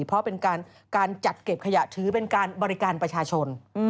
เพราะเป็นการจัดเก็บขยะถือเป็นการบริการประชาชน